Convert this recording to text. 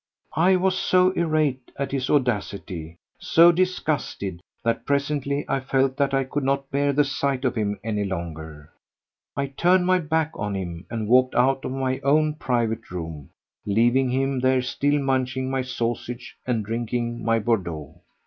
I was so irate at his audacity, so disgusted that presently I felt that I could not bear the sight of him any longer. I turned my back on him and walked out of my own private room, leaving him there still munching my sausage and drinking my Bordeaux.